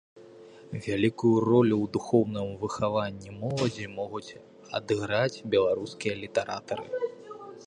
Вялікую ролю ў духоўным выхаванні моладзі могуць адыграць беларускія літаратары.